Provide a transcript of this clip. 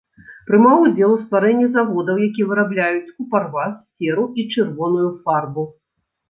Прымаў удзел у стварэнні заводаў, якія вырабляюць купарвас, серу і чырвоную фарбу.